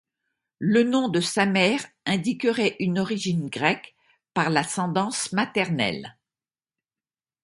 Le nom de sa mère indiquerait une origine grecque par l’ascendance maternelle.